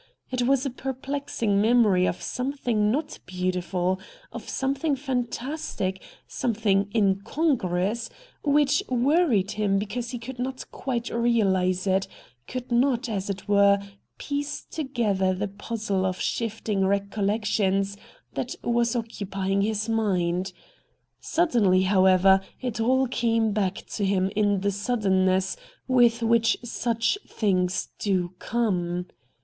It was a perplexing memory of something not beautiful, of something fantastic, something incongruous, which worried him because he could not quite realise it, could not, as it were, piece together the puzzle of shifting recollections that was THE POCKET BOOK 163 occupying his mind. Suddenly, however, it all came back to him in the suddenness with which such things do come.